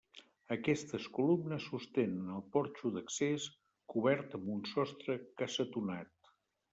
Aquestes columnes sostenen el porxo d'accés, cobert amb un sostre cassetonat.